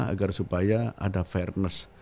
agar supaya ada fairness